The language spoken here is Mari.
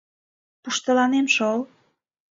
— Пуштыланем шол.